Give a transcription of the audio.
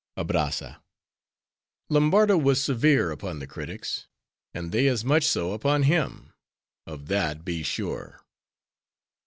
ABRAZZA—Lombardo was severe upon the critics; and they as much so upon him;—of that, be sure.